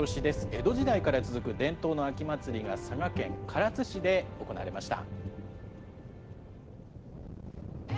江戸時代から続く伝統の秋祭りが、佐賀県唐津市で行われました。